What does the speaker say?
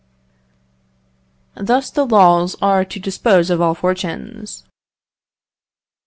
Thus the laws are to dispose of all fortunes.